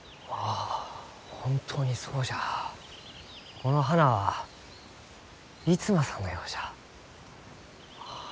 この花は逸馬さんのようじゃ。